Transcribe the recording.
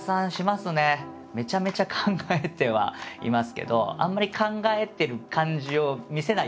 めちゃめちゃ考えてはいますけどあんまり考えてる感じを見せないようにしてます。